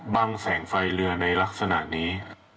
แสงไฟเรือในลักษณะนี้